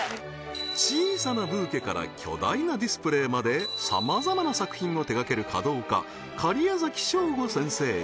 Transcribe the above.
小さなブーケから巨大なディスプレイまでさまざまな作品を手がける華道家假屋崎省吾先生